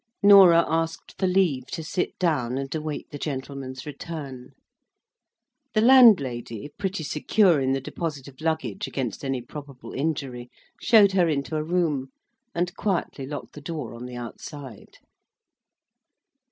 Norah asked for leave to sit down, and await the gentleman's return. The landlady—pretty secure in the deposit of luggage against any probable injury—showed her into a room, and quietly locked the door on the outside.